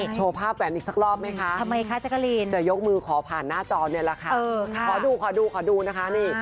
โชว์ภาพแผนอีกสักรอบไหมคะจะยกมือขอผ่านหน้าจอเนี่ยแหละค่ะขอดูขอดูนะคะนี่